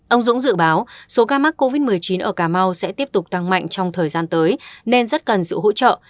ông dũng dự báo số ca mắc covid một mươi chín ở cà mau sẽ tiếp tục tăng mạnh trong thời gian tới nên rất cần sự hỗ trợ